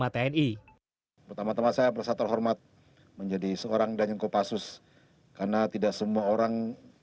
tni pertama tama saya bersatu hormat menjadi seorang danjen kopassus karena tidak semua orang